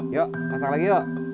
yuk masak lagi yuk